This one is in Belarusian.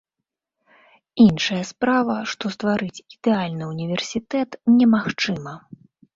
Іншая справа, што стварыць ідэальны універсітэт немагчыма.